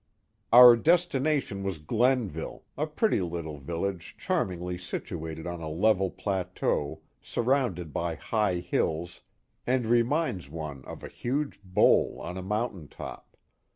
I Our destination was Glenville, a pretty little village cfaarm> ' ingly situated on a level plateau, surrounded by high hills, and ' reminds one of a hugh bowl on a mount.iin top.